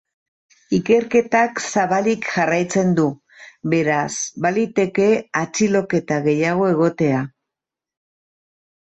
Ikerketak zabalik jarraitzen du, beraz, baliteke atxiloketa gehiago egotea.